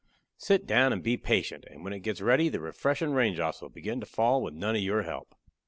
Sit down and be patient, and when it gets ready the refreshin' raindrops will begin to fall without none of your help.